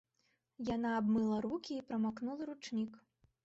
Яна абмыла рукі і прамакнула ручнік.